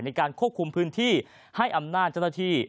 ในการควบคุมพื้นที่ให้อำนาจเจ้าหน้าที่